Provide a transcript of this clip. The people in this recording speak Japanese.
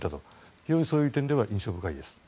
非常にそういう点では印象深いです。